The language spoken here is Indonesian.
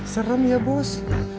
serem ya bos